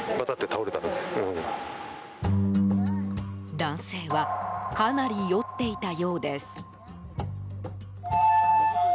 男性はかなり酔っていたようです。